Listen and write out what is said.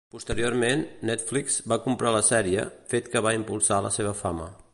Posteriorment, Netflix, va comprar la sèrie, fet que va impulsar la seva fama.